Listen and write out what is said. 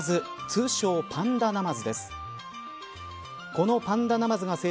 通称パンダナマズです。